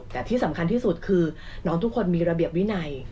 แต่ที่สำคัญที่สุดคือน้องทุกคนมีระเบียบวินัย